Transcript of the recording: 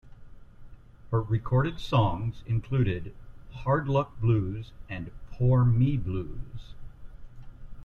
Her recorded songs include "Hard Luck Blues" and "Poor Me Blues".